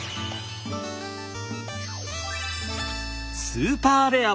スーパーレア！